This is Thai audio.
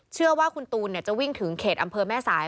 เชื่อว่าคุณตูนจะวิ่งถึงเขตอำเภอแม่สาย